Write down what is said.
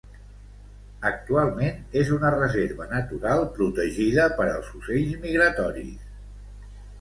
Actualment és una reserva natural protegida per als ocells migratoris.